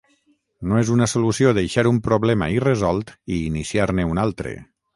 No és una solució deixar un problema irresolt i iniciar-ne un altre